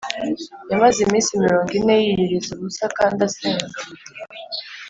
. Yamaze iminsi mirongo ine yiyiriza ubusa kandi asenga